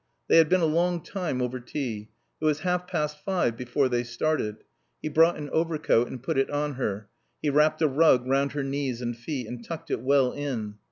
They had been a long time over tea. It was half past five before they started. He brought an overcoat and put it on her. He wrapped a rug round her knees and feet and tucked it well in.